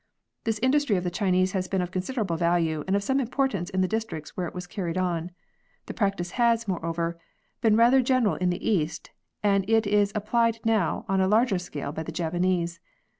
This industry of the Chinese has been of considerable value and of some import ance in the districts where it was carried on. The practice has, moreover, been rather general in the East and it is applied now on a larger scale by the Japanese.